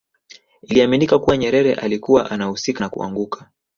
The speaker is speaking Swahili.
Iliaminika kuwa Nyerere alikuwa anahusika na kuanguka